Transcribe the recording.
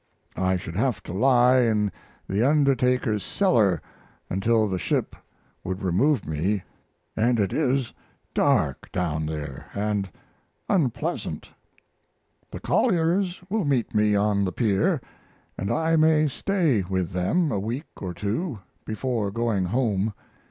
I should have to lie in the undertaker's cellar until the ship would remove me & it is dark down there & unpleasant. The Colliers will meet me on the pier, & I may stay with them a week or two before going home.